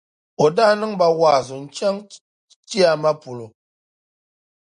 O daa niŋ ba wa’azu n-zaŋ chaŋ chiyaama polo.